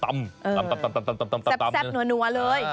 ตำแซ่บนรับเลย